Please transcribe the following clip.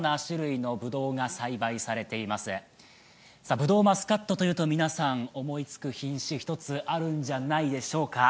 ぶどう、マスカットというと思いつく品種、一つあるんじゃないでしょうか。